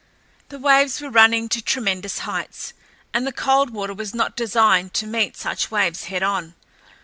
The waves were running to tremendous heights, and the Coldwater was not designed to meet such waves head on.